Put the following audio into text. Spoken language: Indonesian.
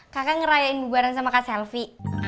kakak ngerayain bubaran sama kak selvi